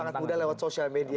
dan sangat mudah lewat sosial media